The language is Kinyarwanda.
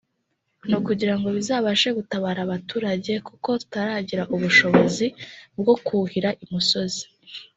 (…) ni ukugira ngo bizabashe gutabara abaturage kuko tutaragira ubushobozi bwo kuhira i musozi »